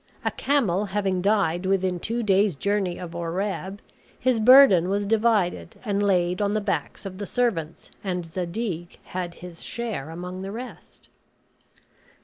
A camel having died within two days' journey of Oreb, his burden was divided and laid on the backs of the servants; and Zadig had his share among the rest.